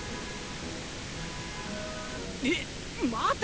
えっ待て！